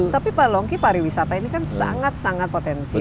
tapi pak longki pariwisata ini kan sangat sangat potensial